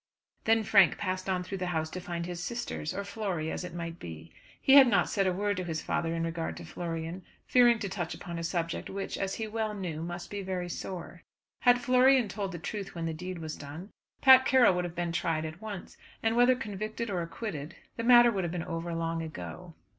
Then Frank passed on through the house to find his sisters, or Flory as it might be. He had said not a word to his father in regard to Florian, fearing to touch upon a subject which, as he well knew, must be very sore. Had Florian told the truth when the deed was done, Pat Carroll would have been tried at once, and, whether convicted or acquitted, the matter would have been over long ago.